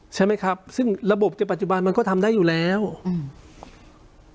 ใช่ไหมครับซึ่งระบบในปัจจุบันมันก็ทำได้อยู่แล้วอืม